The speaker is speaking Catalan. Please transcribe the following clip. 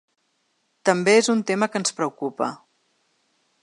També és un tema que ens preocupa.